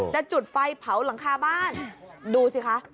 จุดไฟเผาหลังคาบ้านดูสิคะ